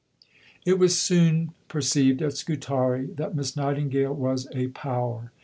It was soon perceived at Scutari that Miss Nightingale was a power.